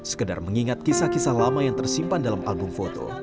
sekedar mengingat kisah kisah lama yang tersimpan dalam album foto